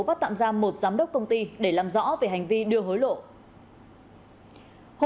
bắt tạm giam một giám đốc công ty để làm rõ về hành vi đưa hối lộ